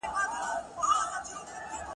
بېخبره د توپان له شواخونه ..